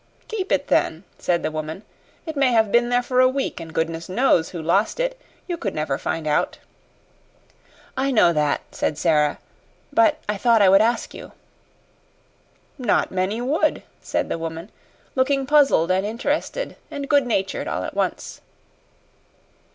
"Keep it, then," said the woman. "It may have been there for a week, and goodness knows who lost it. YOU could never find out." "I know that," said Sara, "but I thought I would ask you." "Not many would," said the woman, looking puzzled and interested and good natured all at once.